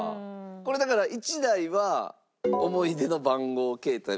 これだから１台は思い出の番号携帯。